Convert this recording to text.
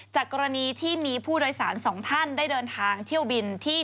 กรณีที่มีผู้โดยสารสองท่านได้เดินทางเที่ยวบินที่